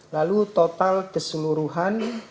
lalu total keseluruhan